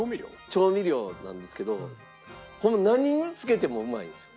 調味料なんですけど何につけてもうまいんすよ。